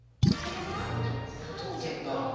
でも高得点だ。